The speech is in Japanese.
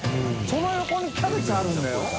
その横にキャベツあるんだよ？